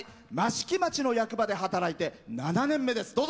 益城町の役場で働いて７年目です。